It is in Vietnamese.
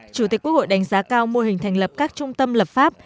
chủ tịch quốc hội đánh giá cao mô hình thành lập các trung tâm lập pháp